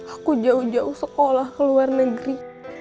aku jauh jauh sekolah ke luar negeri